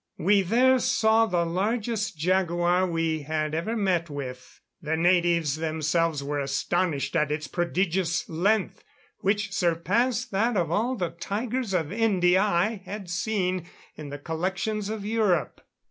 We there saw the largest jaguar we had ever met with. The natives themselves were astonished at its prodigious length, which surpassed that of all the tigers of India I had seen in the collections of Europe."